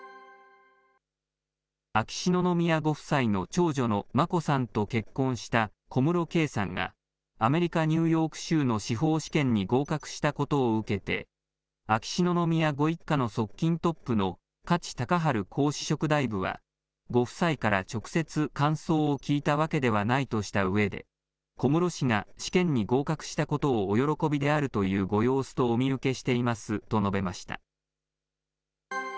秋篠宮ご夫妻の長女の眞子さんと結婚した小室圭さんが、アメリカ・ニューヨーク州の司法試験に合格したことを受けて、秋篠宮ご一家の側近トップの加地隆治皇嗣職大夫は、ご夫妻から直接感想を聞いたわけではないとしたうえで、小室氏が試験に合格したことをお喜びであるというご様子とお見受けしていますと述べました。